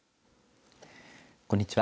こんにちは。